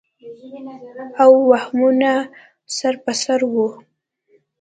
او وهمونه سر پر سر وو